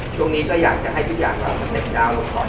ช่วงนี้ก็อยากจะให้ทุกอย่างเราสเต็ปยาวลงก่อน